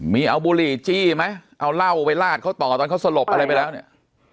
มีเอาบุหรี่จี้ไหมเอาเหล้าไปลาดเขาต่อตอนเขาสลบอะไรไปแล้วเนี่ย